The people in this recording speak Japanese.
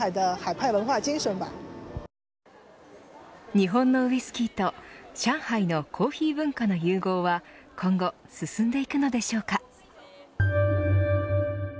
日本のウイスキーと上海のコーヒー文化の融合は今後、進んでいくのでしょうか。